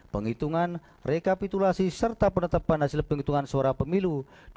penghitungan rekapitulasi serta penetapan hasil penghitungan suara pemilu dua ribu sembilan belas